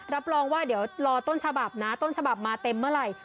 รับรองว่าเดี๋ยวรอต้นฉบับนะต้นฉบับมาเต็มเมื่อไหร่